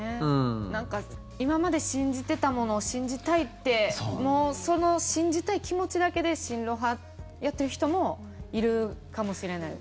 今まで信じてたものを信じたいってその信じたい気持ちだけで親ロ派をやっている人もいるかもしれない。